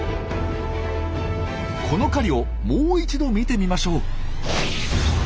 この狩りをもう一度見てみましょう。